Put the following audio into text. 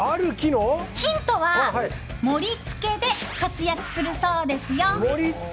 ヒントは盛り付けで活躍するそうですよ。